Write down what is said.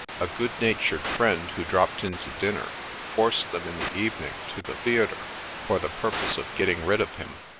A ' good natured friend,' who dropped in to dinner, forced them in the evening to the theatre for the purpose of getting rid of him.